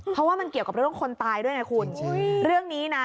เพราะว่ามันเกี่ยวกับเรื่องคนตายด้วยไงคุณเรื่องนี้นะ